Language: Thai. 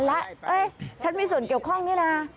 แล้วฉันมีส่วนเกี่ยวข้องนี่นะ